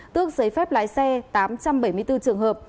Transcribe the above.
tước giấy phép lái xe tám trăm bảy mươi bốn trường hợp